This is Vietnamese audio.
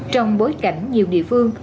trong bối cảnh nhiều địa phương